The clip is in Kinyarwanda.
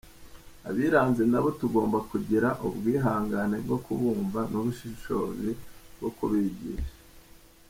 Abiranze nabo tugomba kugira ubwihangane bwo kubumva n’ubushishozi bwo kubigisha.